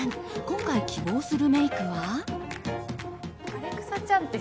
今回、希望するメイクは？